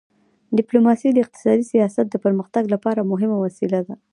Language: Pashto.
ډیپلوماسي د اقتصادي سیاست د پرمختګ لپاره مهمه وسیله ده.